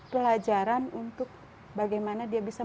pelajaran untuk bagaimana dia bisa